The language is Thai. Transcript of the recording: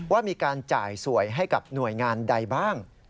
ว่ามีการจ่ายสวยให้กับหน่วยงานใดบ้าง